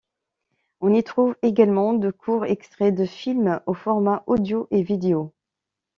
On y trouve également de courts extraits de films, aux formats audio et vidéo.